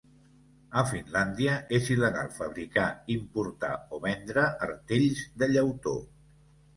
A Finlàndia, és il·legal fabricar, importar o vendre artells de llautó.